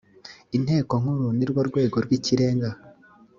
inteko nkuru nirwo rwego rw ikirenga